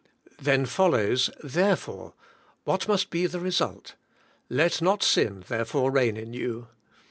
Then follows, *' Therefore," what must be the result, ''Let not sin therefore reign in you."